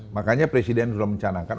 makanya presiden sudah mencanangkan